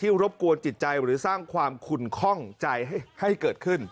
รบกวนจิตใจหรือสร้างความขุนคล่องใจให้เกิดขึ้น